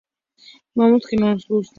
Vamos que nos gusta.